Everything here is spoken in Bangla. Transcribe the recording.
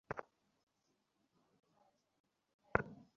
তাই কংগ্রেস চায়, বিষয়টি আরও খতিয়ে দেখতে সিলেক্ট কমিটিতে পাঠানো হোক।